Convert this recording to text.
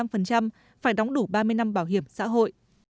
phải đóng đủ ba mươi năm bảo hiểm xã hội